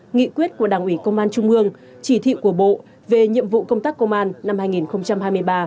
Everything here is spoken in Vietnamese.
nghị quyết của đảng ủy công an trung ương chỉ thị của bộ về nhiệm vụ công tác công an năm hai nghìn hai mươi ba